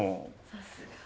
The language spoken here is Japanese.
さすが。